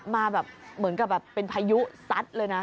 มาแบบเหมือนกับแบบเป็นพายุซัดเลยนะ